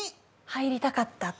入りたかった。